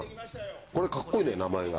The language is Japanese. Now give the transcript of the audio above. これ、かっこいいじゃん、名前が。